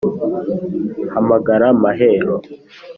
Hamagara Mahero